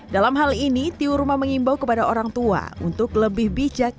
dalam hal ini tiu rumah mengimbau kepada orang tua untuk lebih bijak